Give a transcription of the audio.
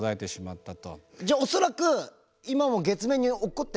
じゃあ恐らく今も月面に落っこってる？